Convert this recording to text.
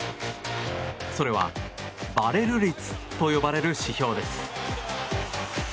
それは、バレル率と呼ばれる指標です。